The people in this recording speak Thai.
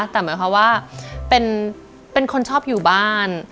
แต่หมายความว่าเป็นคนชอบอยู่บ้าน